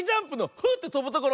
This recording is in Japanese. あっとぶところ！